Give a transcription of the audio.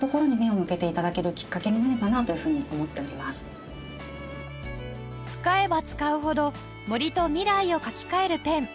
長岡さんが使えば使うほど森と未来を書き換えるペン